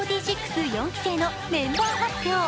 ４６四期生のメンバー発表。